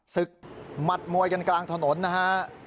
ศึกหมัดมวยกันกลางถนนนะฮะ